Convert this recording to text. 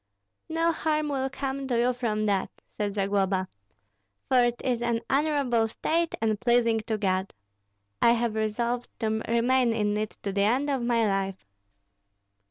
"No harm will come to you from that," said Zagloba, "for it is an honorable state and pleasing to God. I have resolved to remain in it to the end of my life.